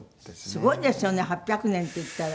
すごいですよね８００年っていったら。